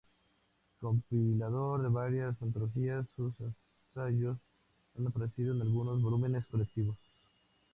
Compilador de varias antologías, sus ensayos han aparecido en algunos volúmenes colectivos.